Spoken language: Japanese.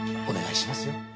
お願いしますよ。